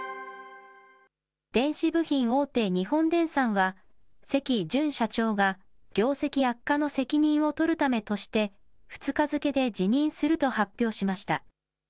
電子部品大手、日本電産は、関潤社長が、業績悪化の責任を取るためとして、２日付で辞任すると発表しました。